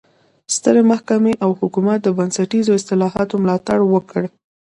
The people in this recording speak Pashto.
سترې محکمې او حکومت د بنسټیزو اصلاحاتو ملاتړ وکړ.